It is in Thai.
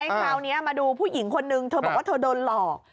คราวนี้มาดูผู้หญิงคนนึงเธอบอกว่าเธอโดนหลอก